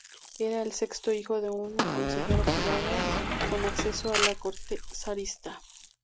Era el sexto hijo de un consejero privado con acceso a la corte zarista.